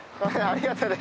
ありがとうね！